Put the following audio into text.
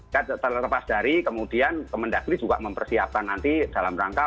ya terlepas dari kemudian kemendagri juga mempersiapkan nanti dalam rangka